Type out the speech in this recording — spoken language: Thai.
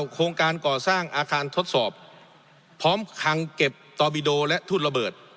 โครงการก่อสร้างอาคารทดสอบพร้อมคังเก็บตอบิโดและทูตระเบิด